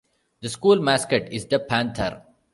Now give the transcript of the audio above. The school mascot is the panther.